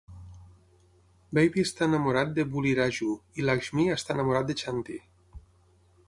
Baby està enamorat de Buliraju i Lakshmi està enamorat de Chanti.